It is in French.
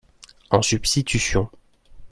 En substitution